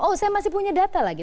oh saya masih punya data lagi